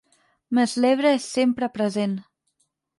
Mes l'Ebre és sempre present.